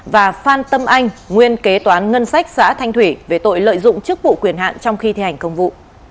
và phan tâm anh nguyên kế toán ngân sách xã thanh thủy về tội lợi dụng chức vụ quyền hạn trong khi thi hành công vụ